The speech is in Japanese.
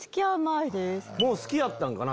もう好きやったんかな？